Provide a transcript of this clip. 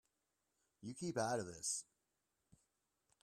You keep out of this.